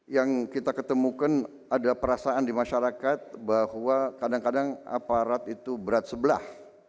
yang kita ketemukan ada perasaan di masyarakat bahwa kadang kadang aparat itu berat sebelah